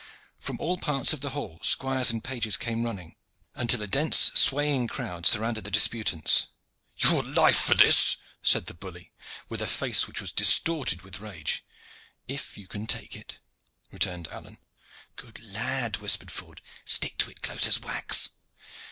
From all parts of the hall squires and pages came running, until a dense, swaying crowd surrounded the disputants. "Your life for this!" said the bully, with a face which was distorted with rage. "If you can take it," returned Alleyne. "Good lad!" whispered Ford. "Stick to it close as wax."